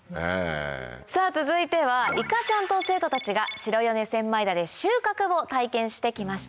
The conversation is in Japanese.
さぁ続いてはいかちゃんと生徒たちが白米千枚田で収穫を体験してきました。